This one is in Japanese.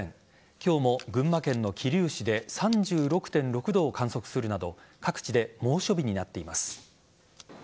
今日も群馬県の桐生市で３６．６度を観測するなど各地で猛暑日になっています。